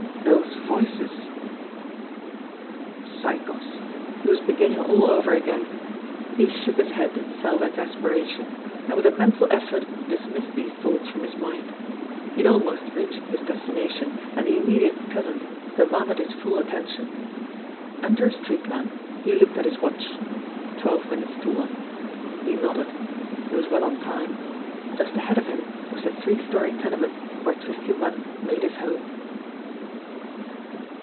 Those voices Cycles ! He was beginning all over again. He shook his head in self exasperation, and with a mental effort dis missed these thoughts from his mind. He had almost reached his destination, and the immediate present demanded his full attention. Under a street lamp he looked at his watch. Twelve min utes to one. He nodded. He was well on time. Just ahead of him was the three story tenement where Twisty Munn made his home.